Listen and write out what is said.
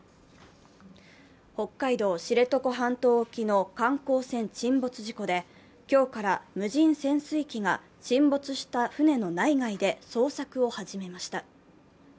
北海道・知床半島沖の観光船沈没事故で、今日から無人潜水機が沈没した船の内外で捜索を始めました。